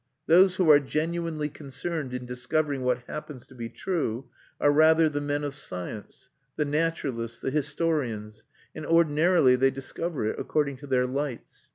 Those who are genuinely concerned in discovering what happens to be true are rather the men of science, the naturalists, the historians; and ordinarily they discover it, according to their lights.